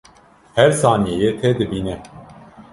Her saniyeyê te dibîne